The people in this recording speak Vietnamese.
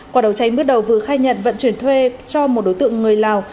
quả đầu cháy bước đầu vừa khai nhận vận chuyển thuê cho một đối tượng người lào